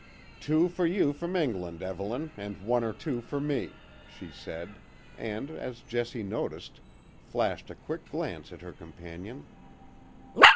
"Two for ye from England, Evelyn, and one or two for me," she said, and, as Jessie noticed, flashed a quick glance at her companion.